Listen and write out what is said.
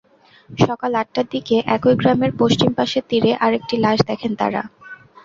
সকাল আটটার দিকে একই গ্রামের পশ্চিম পাশের তীরে আরেকটি লাশ দেখেন তাঁরা।